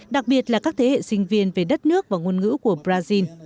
đặc biệt là các thế hệ sinh viên về đất nước và ngôn ngữ của brazil